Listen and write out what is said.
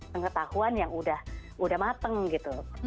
pengetahuan yang udah mateng gitu